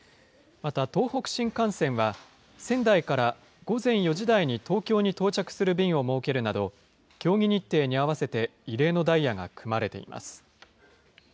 また、東北新幹線は、仙台から午前４時台に東京に到着する便を設けるなど、競技日程に合わせて異例のダイヤが組まれています。